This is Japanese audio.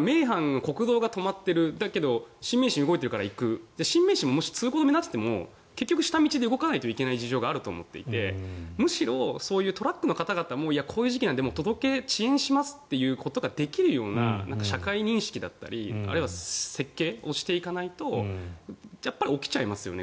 名阪の国道が止まってるだけど新名神が動いてるから行く新名神ももし渋滞になっていても下道で行かないといけない事情もあると思っていてむしろそういうトラックの方々もこういう時期なので遅延しますっていうことができるような社会認識だったりあるいは設計をしていかないと起きちゃいますよね。